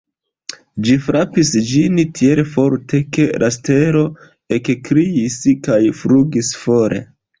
Ĝi frapis ĝin tiel forte, ke la stelo ekkriis kaj flugis for.